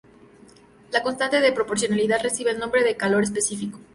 La constante de proporcionalidad recibe el nombre de calor específico.